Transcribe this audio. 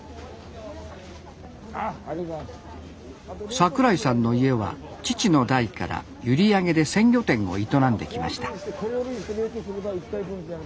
櫻井さんの家は父の代から閖上で鮮魚店を営んできました